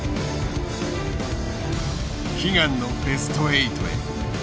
悲願のベスト８へ。